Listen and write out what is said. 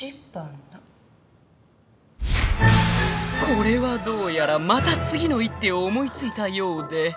［これはどうやらまた次の一手を思い付いたようで］